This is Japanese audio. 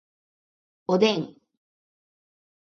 おでん